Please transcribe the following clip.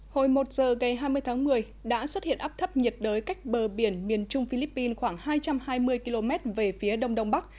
hồi một giờ ngày hai mươi tháng một mươi đã xuất hiện áp thấp nhiệt đới cách bờ biển miền trung philippines khoảng hai trăm hai mươi km về phía đông đông bắc